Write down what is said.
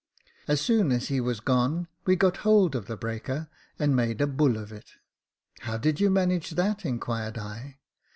As soon as he was gone, we got hold of the breaker, and made a bull of it." " How did you manage that ?" inquired I.